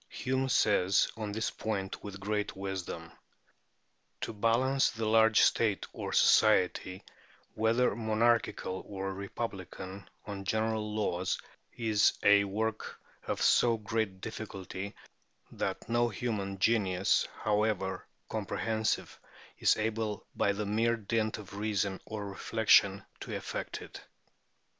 Hume says on this point with great wisdom, "To balance the large state or society, whether monarchical or republican, on general laws, is a work of so great difficulty, that no human genius, however comprehensive, is able by the mere dint of reason or reflection to effect it.